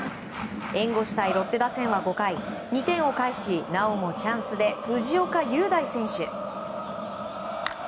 援護したいロッテ打線は５回２点を返し、なおもチャンスで藤岡裕大選手。